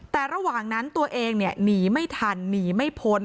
แต่ระหว่างนั้นตัวเองหนีไม่ทันหนีไม่พ้น